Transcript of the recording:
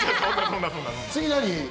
次、何？